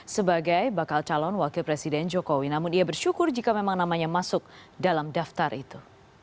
sebagai bakal calon wakil presiden jokowi namun ia bersyukur jika memang namanya masuk dalam daftar itu